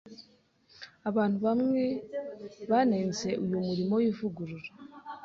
Abantu bamwe banenze uyu murimo w’ivugurura